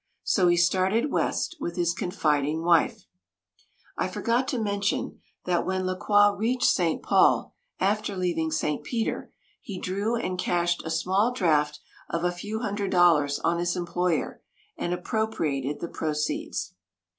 So he started west with his confiding wife. I forgot to mention that, when La Croix reached St. Paul, after leaving St. Peter, he drew and cashed a small draft of a few hundred dollars on his employer, and appropriated the proceeds.